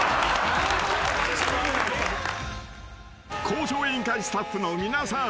［『向上委員会』スタッフの皆さん